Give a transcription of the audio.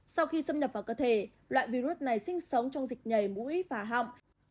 sau khi xâm nhập vào cơ thể loại virus này sinh sống trong dịch nhảy mũi và họng